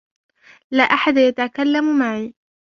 لا أحد يتكلم معي.